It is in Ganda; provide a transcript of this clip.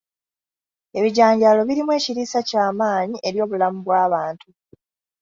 Ebijanjaalo birimu ekiriisa ky'amaanyi eri obulamu bw'abantu